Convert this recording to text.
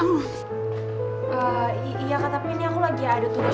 eee iya kak tapi ini aku lagi ada terus